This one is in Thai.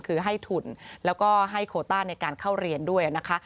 คือให้ทุนแล้วก็ให้โคต้าในการเข้าเรียนด้วยนะคะ